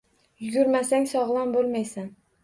Yugurmasang sogʻlom boʻlmaysan.